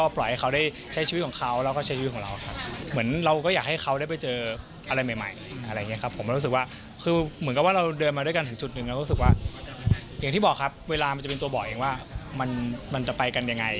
เพื่อก็จะเป็นตัวบ่อยที่จะไปกันไง